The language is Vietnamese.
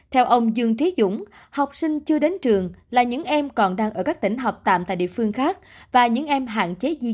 theo ông dương trí dũng học sinh chưa đến trường là những em còn đang ở các tỉnh học tạm tại địa phương khác